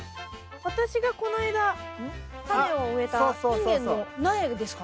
私がこの間タネを植えたインゲンの苗ですか？